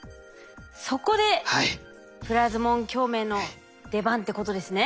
そこでプラズモン共鳴の出番ってことですね。